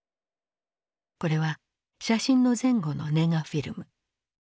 これは写真の前後のネガフィルム。